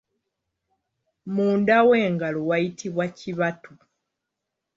Munda w'engalo wayitibwa kibatu.